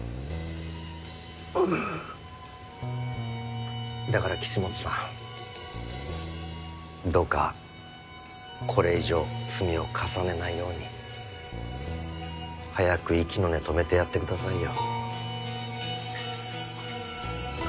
うんだから岸本さんどうかこれ以上罪を重ねないように早く息の根止めてやってくださいよ。